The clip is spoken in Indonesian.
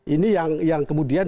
ini yang kemudian